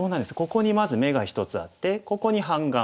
ここにまず眼が１つあってここに半眼